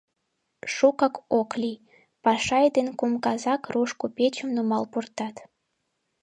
Шукак ок лий, Пашай ден кум казак руш купечым нумал пуртат.